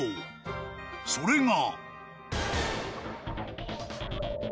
［それが］